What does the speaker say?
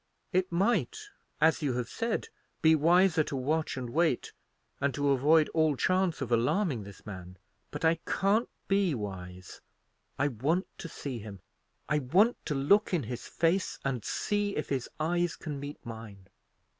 It might, as you have said, be wiser to watch and wait, and to avoid all chance of alarming this man. But I can't be wise. I want to see him. I want to look in his face, and see if his eyes can meet mine."